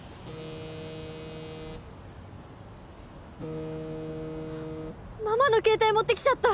あっママの携帯持ってきちゃった！